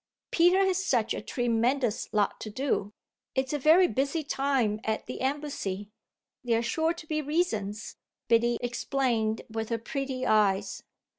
"Peter has such a tremendous lot to do it's a very busy time at the embassy; there are sure to be reasons," Biddy explained with her pretty eyes.